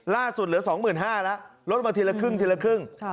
ล่าสุดเหลือสองหมื่นห้าแล้วลดมาทีละครึ่งทีละครึ่ง